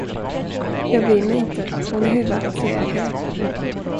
Jag bryr mig inte, hon är huvudaktieägare.